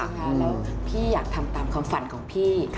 แล้วพี่อยากทำตามความฝันของพี่